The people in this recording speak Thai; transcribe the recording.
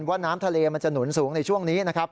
ว่าน้ำทะเลมันจะหนุนสูงในช่วงนี้นะครับ